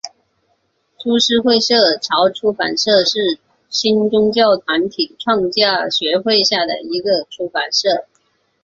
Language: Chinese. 株式会社潮出版社是新宗教团体创价学会下的一个出版社。